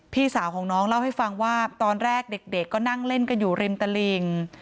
พี่สาวของน้องเล่าให้ฟังว่าตอนแรกเด็กก็นั่งเล่นกันอยู่ริมตลิ่ง